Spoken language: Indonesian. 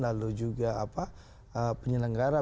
lalu juga penyelenggara